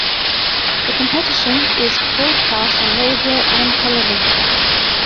The competition is broadcast on radio and television.